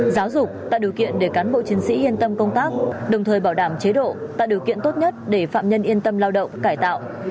giáo dục tạo điều kiện để cán bộ chiến sĩ yên tâm công tác đồng thời bảo đảm chế độ tạo điều kiện tốt nhất để phạm nhân yên tâm lao động cải tạo